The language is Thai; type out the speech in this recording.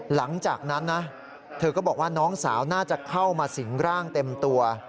หลังจากนั้นนะเธอก็บอกว่าน้องสาวน่าจะเข้ามาสิงร่างเต็มตัว